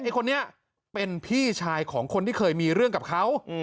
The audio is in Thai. คนนี้เป็นพี่ชายของคนที่เคยมีเรื่องกับเขา